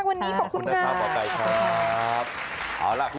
ขอบคุณค่ะหมอไก่ครับ